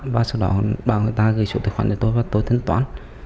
và sau đó bảo người ta gửi chủ tài khoản cho tôi và tôi tiến toán